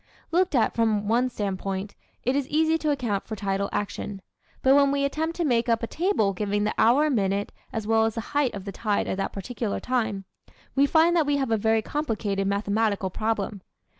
Looked at from one standpoint, it is easy to account for tidal action. But when we attempt to make up a table giving the hour and minute as well as the height of the tide at that particular time we find that we have a very complicated mathematical problem.